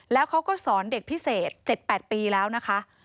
แล้วเขาก็สอนเด็กพิเศษ๗๘ปีแล้วนะคะ